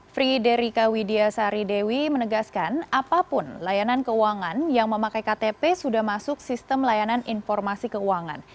friderika widiasari dewi menegaskan apapun layanan keuangan yang memakai ktp sudah masuk sistem layanan informasi keuangan